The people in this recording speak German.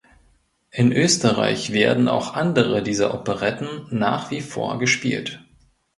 In Österreich werden auch andere dieser Operetten nach wie vor gespielt.